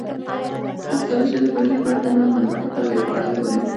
تاسو کولی شئ د پروژې په اړه د نورو معلوماتو لپاره ویب پاڼه وګورئ.